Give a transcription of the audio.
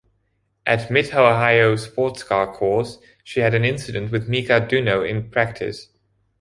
At Mid-Ohio Sports Car Course, she had an incident with Milka Duno in practice.